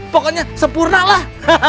pokoknya sempurna lah